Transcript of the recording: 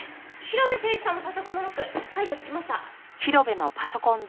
広辺誠児さんのパソコンのロック解除できました。